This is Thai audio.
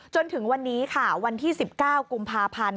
จนถึงวันนี้ค่ะวันที่๑๙กุมภาพันธ์